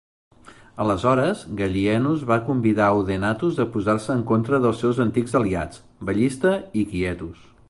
Aleshores, Gallienus va convidar Odenathus a posar-se en contra dels seus antics aliats, Ballista i Quietus.